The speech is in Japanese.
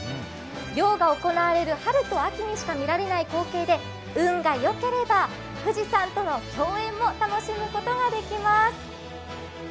漁が行われる春と秋にしか見られない光景で運が良ければ、富士山との共演も楽しむことができます。